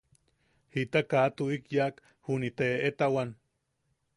Te jita kaa tuʼik yaak juni te eʼetawan.